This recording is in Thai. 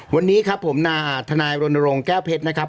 วันนี้ครับผมทนายรณรงค์แก้วเพชรนะครับ